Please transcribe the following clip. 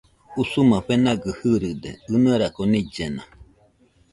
Usuma fenagɨ irɨde ɨnarako nillena